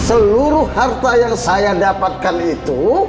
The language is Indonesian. seluruh harta yang saya dapatkan itu